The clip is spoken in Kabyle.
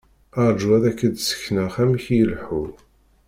Ṛǧu ad ak-d-sekneɣ amek i ileḥḥu.